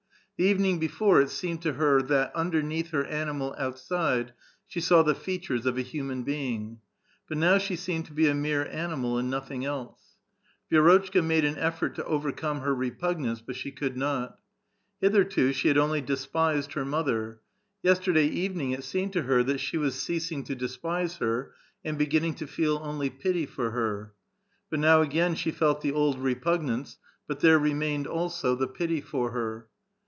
The evening: before it seemed to her that underneath her ^ animal outside she saw the features of a human being ; but now she seemed to be a mere animal and nothing else. • Vi^rotchka made an effoit to overcome her repugnance, but she could not. Hitherto she had only despised her mother ; yesterday evening it seemed to her that she was ceasing to despise her and beginning to feel only pity for her. But now again she felt the old repugnance, but there remained also the pity for her.